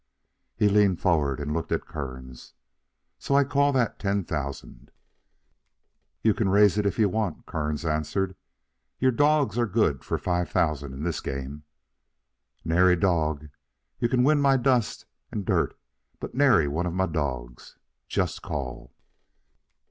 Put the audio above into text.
He leaned forward and looked at Kearns. "So I call that ten thousand." "You can raise if you want," Kearns answered. "Your dogs are good for five thousand in this game." "Nary dawg. You all can win my dust and dirt, but nary one of my dawgs. I just call."